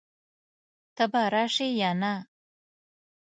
ته به راشې يا نه؟